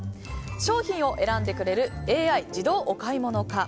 商品を選んでくれるＡＩ自動お買い物か。